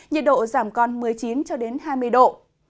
nhiệt độ giảm còn một mươi chín hai mươi độ